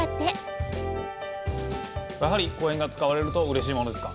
やはり公園が使われるとうれしいものですか。